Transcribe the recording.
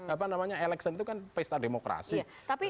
apa namanya election itu kan pesta demokrasi